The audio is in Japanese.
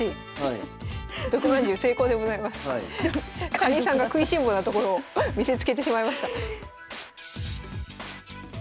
かりんさんが食いしん坊なところを見せつけてしまいました。